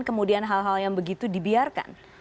kemudian hal hal yang begitu dibiarkan